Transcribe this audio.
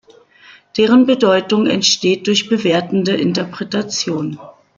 Deren Bedeutung entsteht durch bewertende Interpretation.